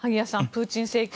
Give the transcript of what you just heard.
プーチン政権